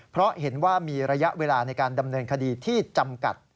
เพราะเห็นว่ามีระยะเวลาในการดำเนินคดีที่จำกัด